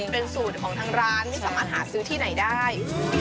เป็นสูตรของทางร้านไม่สามารถหาซื้อที่ไหนได้